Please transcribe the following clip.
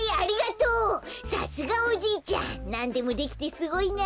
さすがおじいちゃんなんでもできてすごいな。